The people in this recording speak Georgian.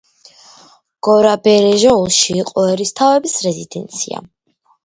გორაბერეჟოულში იყო ერისთავების რეზიდენცია.